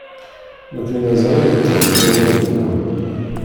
Nekni mazal ad neṭṭef deg awal-nneɣ.